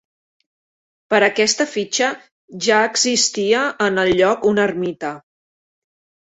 Per aquesta fitxa ja existia en el lloc una ermita.